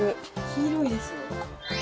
黄色いですよ。